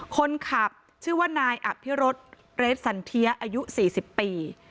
คนขับชื่อว่านายอภิรสเรสสันเทียอายุ๔๐ปี